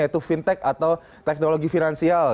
yaitu fintech atau teknologi finansial